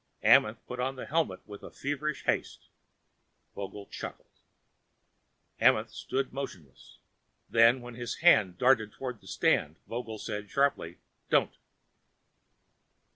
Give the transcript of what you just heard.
Amenth put on the helmet with a feverish haste. Vogel chuckled. Amenth stood motionless. Then as his hand darted toward a stand, Vogel said sharply, "Don't!"